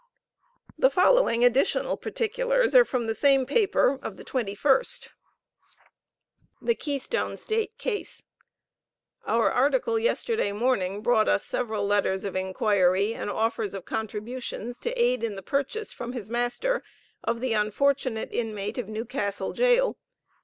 The following additional particulars are from the same paper of the 21st. The Keystone State case. Our article yesterday morning brought us several letters of inquiry and offers of contributions to aid in the purchase from his master of the unfortunate inmate of Newcastle jail.